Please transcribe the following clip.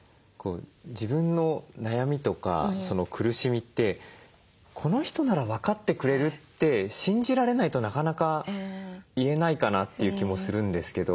自分の悩みとか苦しみってこの人なら分かってくれるって信じられないとなかなか言えないかなという気もするんですけど。